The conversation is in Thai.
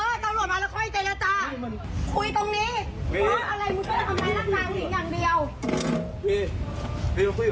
นี่พี่เป็นอย่างงี้แหละพี่ไม่คุยเลย